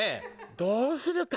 どうするか？